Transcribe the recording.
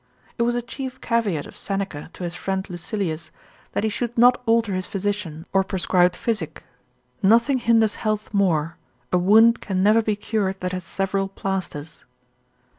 It was a chief caveat of Seneca to his friend Lucilius, that he should not alter his physician, or prescribed physic: Nothing hinders health more; a wound can never be cured, that hath several plasters.